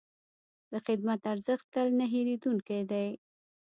د خدمت ارزښت تل نه هېرېدونکی دی.